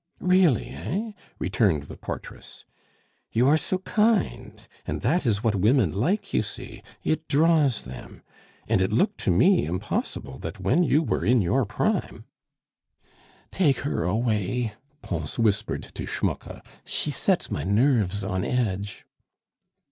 "Really, eh?" returned the portress. "You are so kind, and that is what women like, you see it draws them and it looked to me impossible that when you were in your prime " "Take her away," Pons whispered to Schmucke; "she sets my nerves on edge."